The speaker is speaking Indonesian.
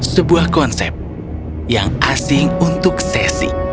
sebuah konsep yang asing untuk sesi